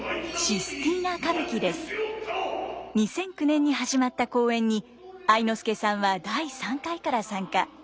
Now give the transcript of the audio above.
２００９年に始まった公演に愛之助さんは第３回から参加。